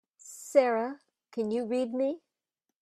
Sara can you read me?